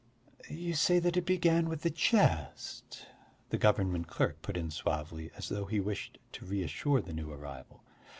"You say it began with the chest," the government clerk put in suavely, as though he wished to reassure the new arrival.